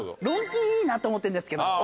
ロンＴいいなと思ってるんですけど。